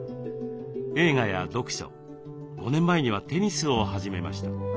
映画や読書５年前にはテニスを始めました。